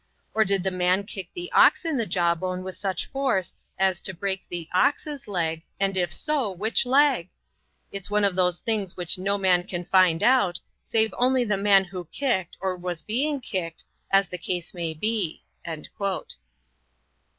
Or did the man kick the ox in the jawbone with such force as to break the ox's leg, and, if so, which leg? It's one of those things which no man can find out, save only the man who kicked or was being kicked, as the case may be."